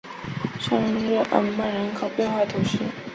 圣日耳曼村人口变化图示